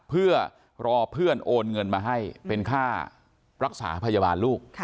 เพื่อรอเพื่อนโอนเงินมาให้เป็นค่ารักษาพยาบาลลูก